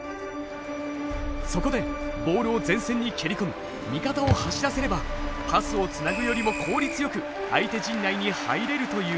そこでボールを前線に蹴り込み味方を走らせればパスをつなぐよりも効率よく相手陣内に入れるというわけです。